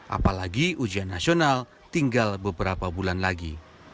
apalagi ujian nasional tinggal beberapa bulan lagi